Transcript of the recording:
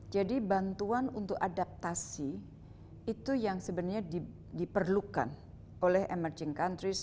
jadi bantuan untuk adaptasi itu yang sebenarnya diperlukan oleh emerging countries